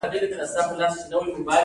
هغې د زړه له کومې د عطر ستاینه هم وکړه.